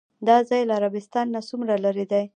دا ځای له عربستان نه څومره لرې دی؟